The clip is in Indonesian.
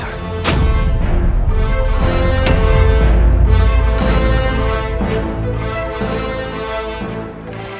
takut kepada dirimu